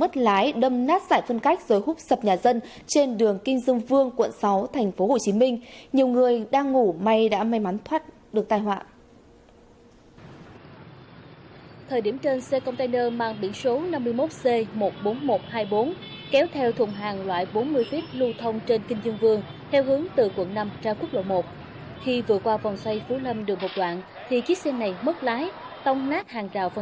các bạn hãy đăng ký kênh để ủng hộ kênh của chúng mình nhé